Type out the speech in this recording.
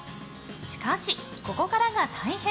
しかし、ここからが大変。